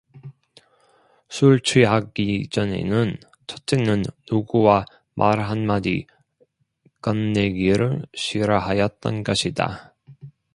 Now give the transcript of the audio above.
술취하기 전에는 첫째는 누구와 말 한마디 건네기를 싫어하였던 것이다.